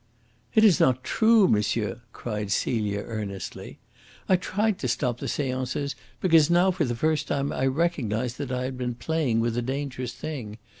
"It is not true, monsieur," cried Celia earnestly. "I tried to stop the seances because now for the first time I recognised that I had been playing with a dangerous thing.